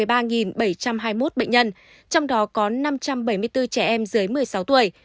trong cộng đồng có bảy trăm hai mươi một bệnh nhân trong đó có năm trăm bảy mươi bốn trẻ em dưới một mươi sáu tuổi